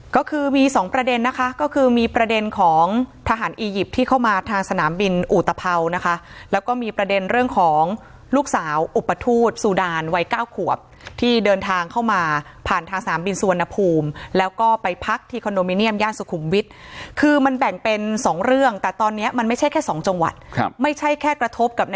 ก็คือมีสองประเด็นนะคะก็คือมีประเด็นของทหารอียิปต์ที่เข้ามาทางสนามบินอุตภัวนะคะแล้วก็มีประเด็นเรื่องของลูกสาวอุปทูตซูดานวัยเก้าขวบที่เดินทางเข้ามาผ่านทางสนามบินสุวรรณภูมิแล้วก็ไปพักที่คอนโดมิเนียมย่านสุขุมวิทย์คือมันแบ่งเป็นสองเรื่องแต่ตอนนี้มันไม่ใช่แค่สองจังหวัดครับไม่ใช่แค่กระทบกับ